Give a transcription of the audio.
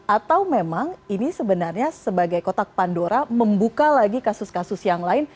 atau memang ini sebenarnya sebagai kotak pandora membuka lagi kasus kasus yang lain